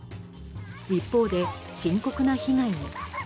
一方で、深刻な被害も。